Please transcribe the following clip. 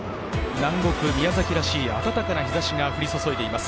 南国・宮崎らしい暖かな日差しが降り注いでいます。